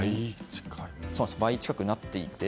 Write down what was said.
倍近くなっていて